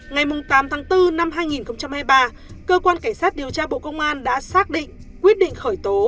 ngày tám tháng bốn năm hai nghìn hai mươi ba cơ quan cảnh sát điều tra bộ công an đã xác định quyết định khởi tố